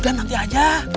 udah nanti aja